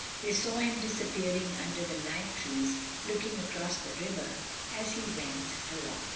They saw him disappearing under the lime trees, looking across the river as he went along.